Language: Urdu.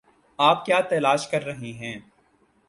آپ کیا تلاش کر رہے ہیں؟